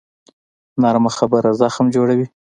نرمه خبره زخم جوړوي